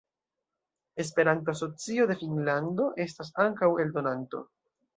Esperanto-Asocio de Finnlando estas ankaŭ eldonanto.